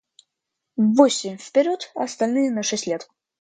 Восемь вперед, а остальные на шесть лет.